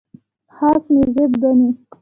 خاص مزیت ګڼي.